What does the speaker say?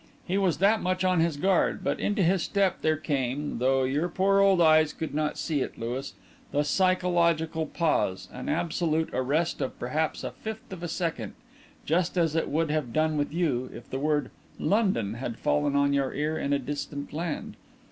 "He was that much on his guard; but into his step there came though your poor old eyes could not see it, Louis the 'psychological pause,' an absolute arrest of perhaps a fifth of a second; just as it would have done with you if the word 'London' had fallen on your ear in a distant land.